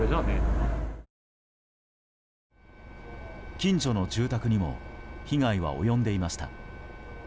近所の住宅にも被害は及んでいました。